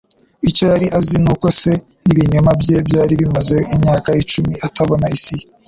Icyo yari azi nuko se n'ibinyoma bye byari bimaze imyaka icumi atabona isi ye.